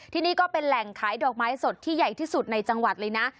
ที่นี่ก็เป็นแหล่งขายดอกไม้สดที่ใหญ่ที่สุดในจังหวัดเลยนะ